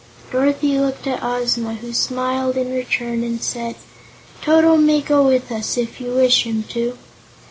Dorothy looked at Ozma, who smiled in return and said: "Toto may go with us, if you wish him to."